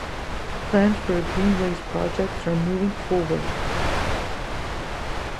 Plans for a greenways project are moving forward.